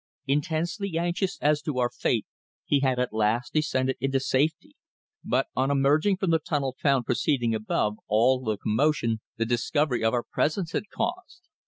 Intensely anxious as to our fate, he had at last descended in safety, but on emerging from the tunnel found proceeding above all the commotion the discovery of our presence had caused.